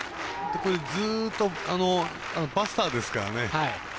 ずっとバスターですからね。